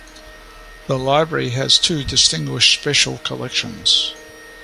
The library has two distinguished special collections.